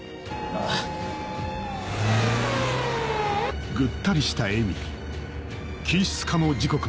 あっ。